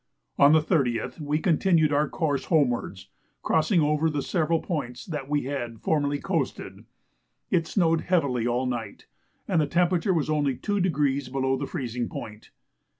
On the 30th we continued our course homewards, crossing over the several points that we had formerly coasted. It snowed heavily all night, and the temperature was only two degrees below the freezing point.